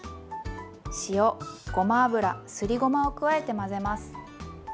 塩ごま油すりごまを加えて混ぜます。